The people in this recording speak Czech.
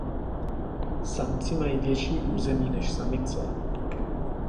Samci mají větší území než samice.